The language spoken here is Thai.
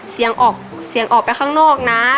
เสียงออกเสียงออกไปข้างนอกนะ